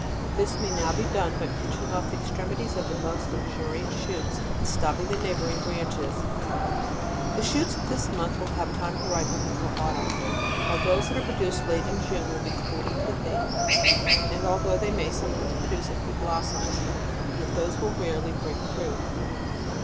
This may now be done by pinching off the extremities of the most luxuriant shoots 2 and stopping the neighbouring branches. DECEMBER. 207 The shoots of this month will have time to ripen before autumn, while those that are produced late in June will be crude and pithy t and although they may sometimes produce a few blossomi, yet those will rarely bring fruit.